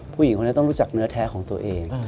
ผู้หญิงคนนี้ต้องรู้จักเนื้อแท้ของตัวเอง